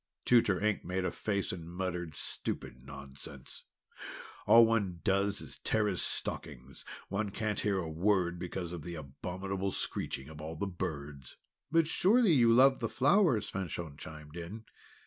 Tutor Ink made a face, and muttered: "Stupid nonsense! All one does is to tear his stockings! One can't hear a word because of the abominable screeching of the birds!" "But surely you love the flowers?" Fanchon chimed in.